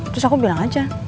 terus aku bilang aja